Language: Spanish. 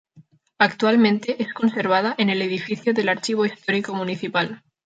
Actualmente es conservada en el edificio del Archivo Histórico Municipal.